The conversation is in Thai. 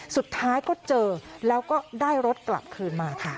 สุดท้ายก็เจอแล้วก็ได้รถกลับคืนมาค่ะ